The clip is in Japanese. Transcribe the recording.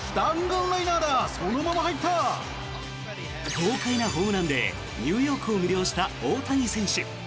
豪快なホームランでニューヨークを魅了した大谷選手。